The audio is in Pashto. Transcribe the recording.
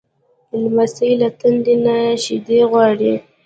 لمسی له تندې نه شیدې غواړي.